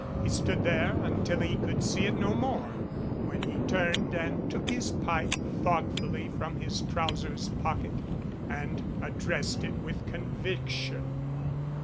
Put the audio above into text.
He stood there until he could see it no more, when he turned and took his pipe thoughtfully from his trousers pocket and addressed it with conviction.